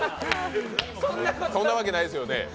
そんなわけないですよね。